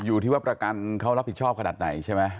อยู่ที่ว่าประกันเขารับผิดชอบขนาดไหนใช่ไหม